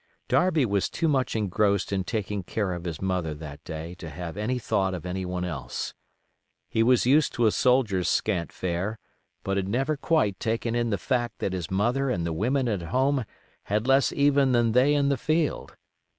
Darby was too much engrossed in taking care of his mother that day to have any thought of any one else. He was used to a soldier's scant fare, but had never quite taken in the fact that his mother and the women at home had less even than they in the field.